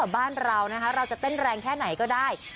บ้านเรานะคะเราจะเต้นแรงแค่ไหนก็ได้